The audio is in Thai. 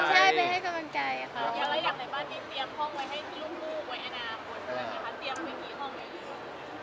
ในบ้านนี้เตรียมห้องให้ลูกผู้ไว้อาณาคลุม